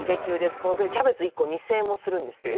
この国キャベツ１個２０００円もするんですえっ？